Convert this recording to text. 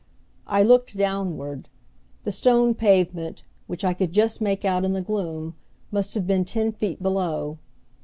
I looked downward. The stone pavement, which I could just make out in the gloom, must have been ten feet below.